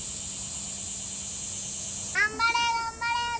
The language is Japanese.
頑張れ、頑張れ。